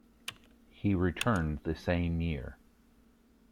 He returned the same year.